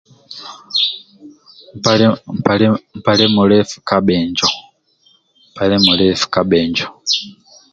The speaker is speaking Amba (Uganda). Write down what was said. Mpale mulefu ka bhinjo mpale mulefu ka bhinjo